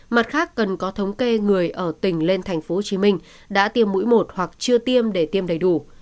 mặt khác cần có thống kê người ở tỉnh lên tp hcm đã tiêm mũi một hoặc chưa tiêm để tiêm đầy đủ